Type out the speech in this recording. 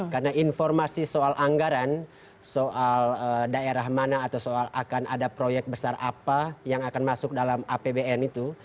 karena informasi soal anggaran soal daerah mana atau soal akan ada proyek besar apa yang akan masuk dalam apbn itu